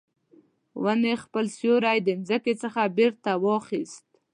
ونې خپل سیوری د مځکې څخه بیرته واخیست